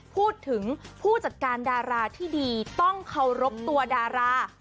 พูดถึงผู้จัดการดาราที่ดีต้องเคารพตัวดารา